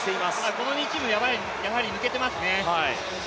この２チームが、やはり抜けてますね。